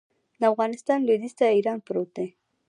د افغانستان لویدیځ ته ایران پروت دی